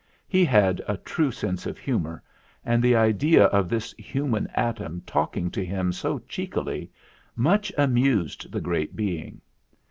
He had a true sense of humour, and the idea of this human atom talking to him so cheekily much amused the great being.